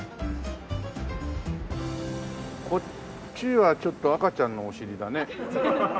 こっちはちょっと赤ちゃんのお尻だね。